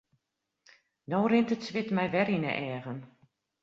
No rint it swit my wer yn 'e eagen.